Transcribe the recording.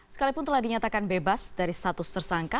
sekalipun telah dinyatakan bebas dari status tersangka